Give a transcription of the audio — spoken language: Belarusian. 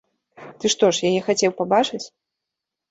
Ты што ж, яе хацеў пабачыць?